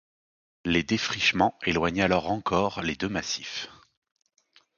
Les défrichements éloignent alors encore les deux massifs.